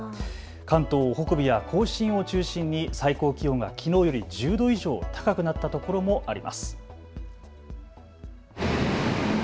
関東北部や甲信を中心に最高気温がきのうより１０度以上高くなった所もあります。